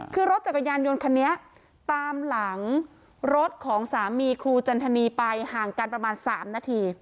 คือรถจักรยานยนต์คันนี้ตามหลังรถของสามีครูจันทนีไปห่างกันประมาณ๓นาที